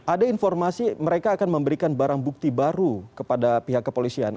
ada informasi mereka akan memberikan barang bukti baru kepada pihak kepolisian